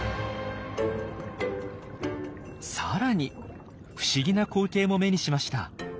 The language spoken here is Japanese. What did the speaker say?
さらに不思議な光景も目にしました。